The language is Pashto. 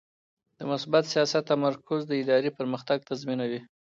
د مثبت سیاست تمرکز د ادارې پرمختګ تضمینوي.